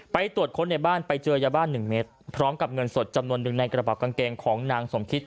ตรวจค้นในบ้านไปเจอยาบ้าน๑เมตรพร้อมกับเงินสดจำนวนหนึ่งในกระเป๋ากางเกงของนางสมคิด